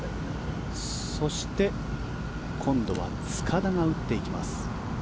そして今度は塚田が打っていきます。